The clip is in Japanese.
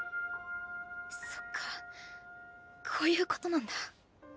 そっかこういうことなんだ。